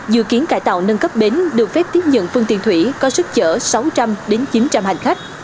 dự kiến cải tạo nâng cấp bến được phép tiếp nhận phương tiện thủy có sức chở sáu trăm linh chín trăm linh hành khách